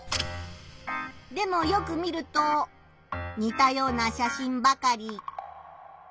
でもよく見るとにたような写真ばかり。